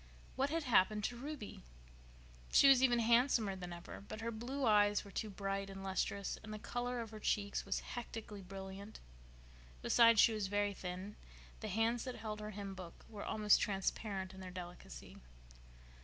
What had happened to Ruby? She was even handsomer than ever; but her blue eyes were too bright and lustrous, and the color of her cheeks was hectically brilliant; besides, she was very thin; the hands that held her hymn book were almost transparent in their delicacy.